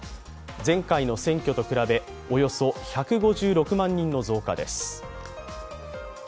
前回の選挙と比べ、およそ１５６万人の増加です。